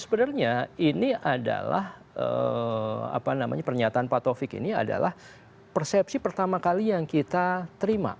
sebenarnya ini adalah pernyataan pak taufik ini adalah persepsi pertama kali yang kita terima